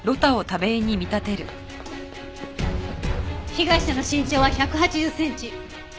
被害者の身長は１８０センチ。